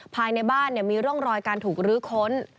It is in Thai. ภายในบ้านมีร่องรอยการถูกรื้อค้น